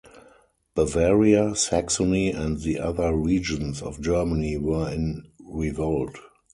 Bavaria, Saxony, and the other regions of Germany were in revolt.